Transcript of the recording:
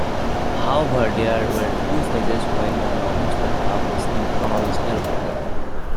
However, there were two phases when the novels were published in chronological order.